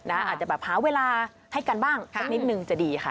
อาจจะแบบหาเวลาให้กันบ้างสักนิดนึงจะดีค่ะ